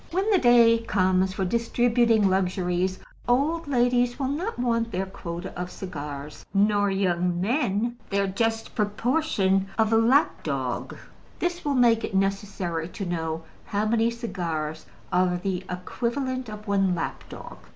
When the day comes for distributing luxuries, old ladies will not want their quota of cigars, nor young men their just proportion of lap dog; this will make it necessary to know how many cigars are the equivalent of one lap dog.